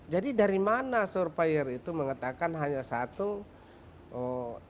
jadi dari mana surveyor itu mengatakan hanya satu diantara seribu orang indonesia yang mau baca